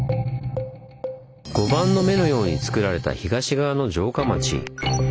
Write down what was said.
碁盤の目のようにつくられた東側の城下町。